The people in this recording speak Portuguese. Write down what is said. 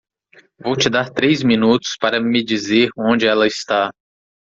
Vou te dar três minutos para me dizer onde ela está.